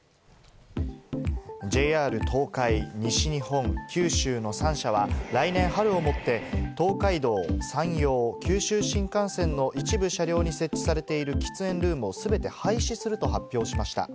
ＪＲ東海・西日本・九州の３社は来年春をもって、東海道・山陽・九州新幹線の一部車両に設置されている喫煙ルームを全て廃止すると発表しました。